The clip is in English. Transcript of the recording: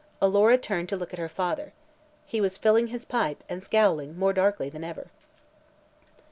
Alora turned to look at her father. He was filing his pipe and scowling more darkly than ever.